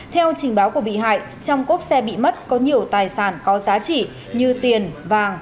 theo trình báo của bị hại trong cốp xe bị mất có nhiều tài sản có giá trị như tiền vàng